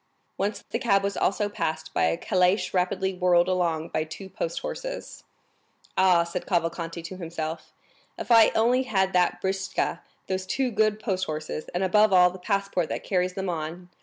Once the cab was also passed by a calash rapidly whirled along by two post horses. "Ah," said Cavalcanti to himself, "if I only had that britzka, those two good post horses, and above all the passport that carries them on!"